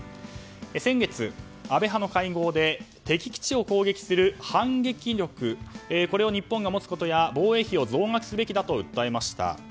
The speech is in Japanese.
先月、安倍派の会合で敵基地を攻撃する反撃力を日本が持つことや防衛費を増額すべきだと訴えました。